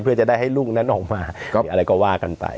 เพื่อจะได้ให้ลูกนั้นออกมามีอะไรก็ว่ากันไป